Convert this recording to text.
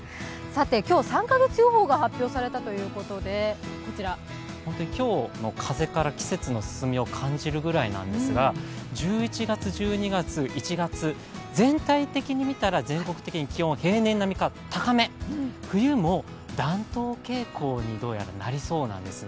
今日、３か月予報が発表されたということで今日の風から季節の進みを感じるぐらいなんですが、１１月１２月１月、全体的にみたら全国的に気温は高め、冬も暖冬傾向にどうやらなりそうなんですね。